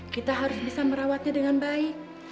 kita harus bisa merawatnya dengan baik